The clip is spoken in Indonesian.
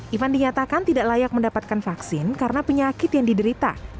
ivan dinyatakan tidak layak mendapatkan vaksin karena penyakit yang diderita